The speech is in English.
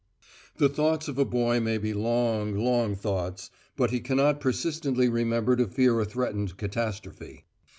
The thoughts of a boy may be long, long thoughts, but he cannot persistently remember to fear a threatened catastrophe.